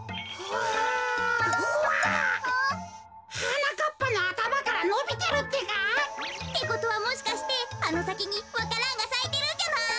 はなかっぱのあたまからのびてるってか！ってことはもしかしてあのさきにわか蘭がさいてるんじゃない？